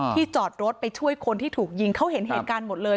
จอดรถไปช่วยคนที่ถูกยิงเขาเห็นเหตุการณ์หมดเลย